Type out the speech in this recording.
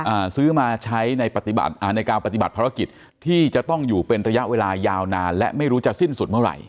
อ่าซื้อมาใช้ในปฏิบัติอ่าในการปฏิบัติภารกิจที่จะต้องอยู่เป็นระยะเวลายาวนานและไม่รู้จะสิ้นสุดเมื่อไหร่